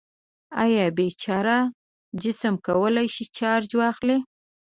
آیا بې چارجه جسم کولی شي چارج واخلي؟